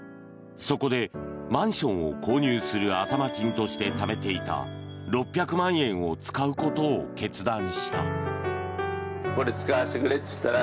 そこでマンションを購入する頭金としてためていた６００万円を使うことを決断した。